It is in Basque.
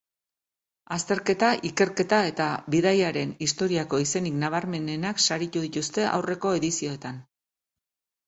Azterketa, ikerketa eta bidaiaren historiako izenik nabarmenenak saritu dituzte aurreko edizioetan.